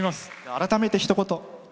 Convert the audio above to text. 改めて、ひと言。